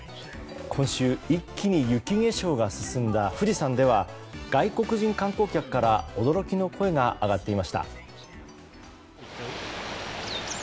今週、一気に雪化粧が進んだ富士山では外国人観光客から驚きの声が上がっていました。